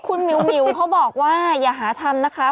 คุณหมิวเขาบอกว่าอย่าหาทำนะคะ